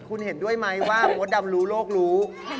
คุณเห็นด้วยไหมว่ามดดำรู้โลกรู้